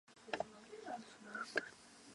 坐在休息室里面休息